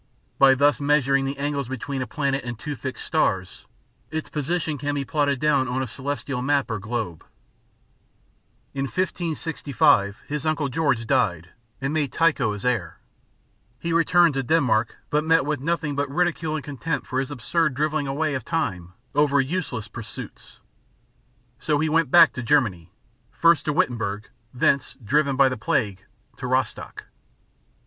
By thus measuring the angles between a planet and two fixed stars, its position can be plotted down on a celestial map or globe. [Illustration: FIG. 17. Portrait of Tycho.] In 1565 his uncle George died, and made Tycho his heir. He returned to Denmark, but met with nothing but ridicule and contempt for his absurd drivelling away of time over useless pursuits. So he went back to Germany first to Wittenberg, thence, driven by the plague, to Rostock.